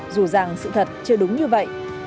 dù rằng sự thật chưa đúng như vậy